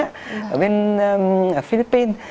ở bên philippines